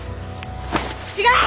違う！